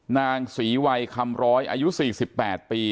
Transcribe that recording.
นางศรีวัยคำร้อยอายุ๔๘ปี